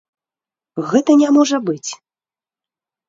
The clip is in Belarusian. Гэта не можа быць.